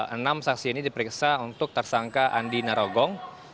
enam saksi ini diperiksa untuk tersangka andi narogong